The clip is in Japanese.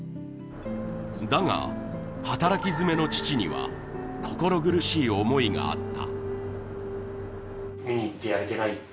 だが、働きづめの父には心苦しい思いがあった。